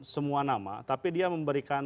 semua nama tapi dia memberikan